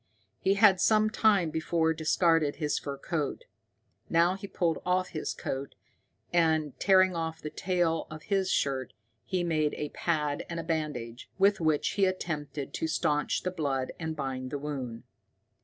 He had some time before discarded his fur coat. Now he pulled off his coat, and, tearing off the tail of his shirt, he made a pad and a bandage, with which he attempted to staunch the blood and bind the wound.